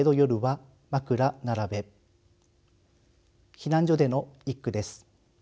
避難所での一句です。